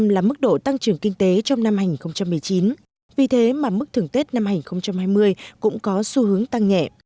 là mức độ tăng trưởng kinh tế trong năm hai nghìn một mươi chín vì thế mà mức thưởng tết năm hai nghìn hai mươi cũng có xu hướng tăng nhẹ